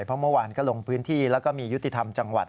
เพราะเมื่อวานก็ลงพื้นที่แล้วก็มียุติธรรมจังหวัด